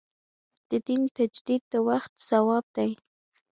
د دین تجدید د وخت ځواب دی.